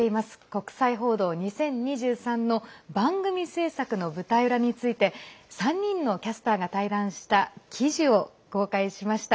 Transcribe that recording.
「国際報道２０２３」の番組制作の舞台裏について３人のキャスターが対談した記事を公開しました。